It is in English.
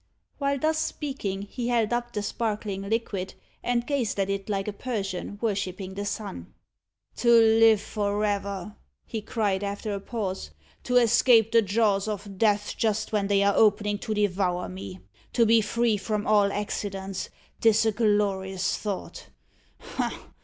While thus speaking, he held up the sparkling liquid, and gazed at it like a Persian worshipping the sun. "To live for ever!" he cried, after a pause "to escape the jaws of death just when they are opening to devour me! to be free from all accidents! 'tis a glorious thought!